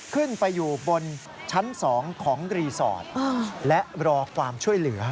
ขึ้นไปอยู่บนชั้น๒ของรีสอร์ทและรอความช่วยเหลือ